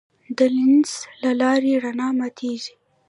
د لینز له لارې رڼا ماتېږي.